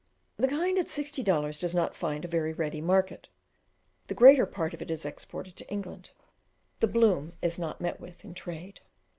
The kind at sixty dollars does not find a very ready market; the greater part of it is exported to England. The "bloom" is not met with in trade.